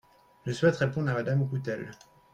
Je souhaite répondre à Madame Coutelle.